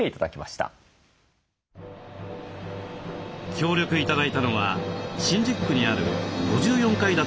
協力頂いたのは新宿区にある５４階建ての高層ビル。